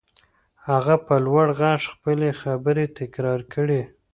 هغه په لوړ غږ خپلې خبرې تکرار کړې.